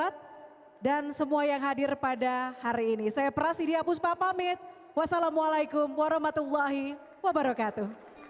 terima kasih bu